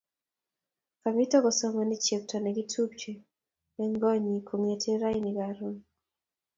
kamito kosomani chepto ne kitupche eng' konnyi kongetee raini karon